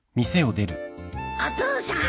お父さん。